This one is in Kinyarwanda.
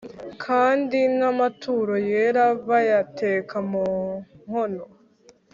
Kandi n amaturo yera bayateka mu nkono